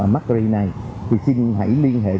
mắc ri này thì xin hãy liên hệ